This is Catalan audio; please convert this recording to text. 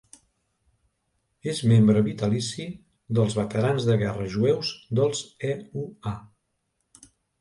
És membre vitalici dels Veterans de Guerra Jueus dels EUA.